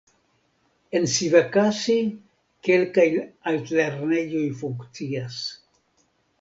En Sivakasi kelkaj altlernejoj funkcias.